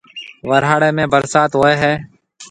ورھاݪيَ ۾ ڀرسات ھوئيَ ھيََََ